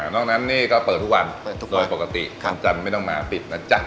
นอกนั้นนี่ก็เปิดทุกวันโดยปกติวันจันทร์ไม่ต้องมาปิดนะจ๊ะ